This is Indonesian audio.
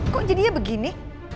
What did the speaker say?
kok jadinya begini